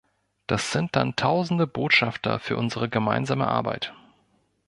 Das sind dann Tausende Botschafter für unsere gemeinsame Arbeit.